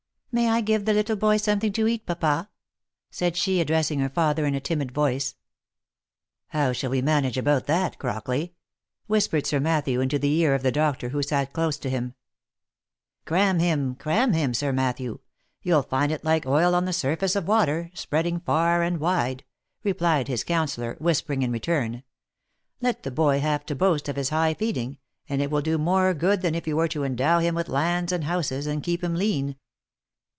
" May I give the little boy some thing to eat, papa?" said she addressing her father in a timid voice. " How shall we manage about that, Crockley ?" whispered Sir Matthew into the ear of the doctor who sat close to him. OF MICHAEL ARMSTRONG. 59 " Cram him, cram him, Sir Matthew. — You'll find it like oil on the surface of water, spreading far and wide," replied his counsellor, whispering in return, " Let the boy have to boast of his high feeding , and it will do move good than if you were to endow him with lands and houses, and keep him lean."